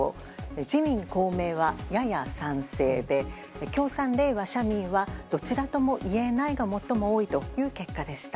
自民・公明はやや賛成で共産、れいわ、社民はどちらとも言えないが最も多いという結果でした。